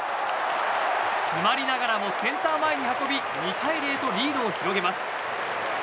詰まりながらもセンター前に運び２対０とリードを広げます。